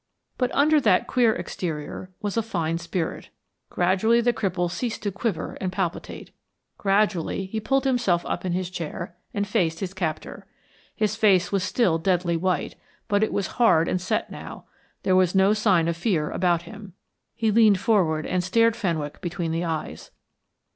But under that queer exterior was a fine spirit. Gradually the cripple ceased to quiver and palpitate; gradually he pulled himself up in his chair and faced his captor. His face was still deadly white, but it was hard and set now; there was no sign of fear about him. He leaned forward and stared Fenwick between the eyes.